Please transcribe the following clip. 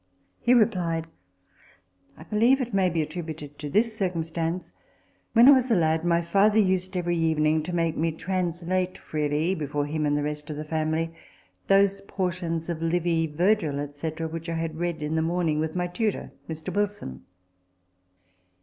He replied, " I believe it may be attributed to this circumstance : when I was a lad, my father used every evening to make me translate freely, before him and the rest of the family, those portions of Livy, Virgil, &c., which I had read in the morning with my tutor, Mr. Wilson."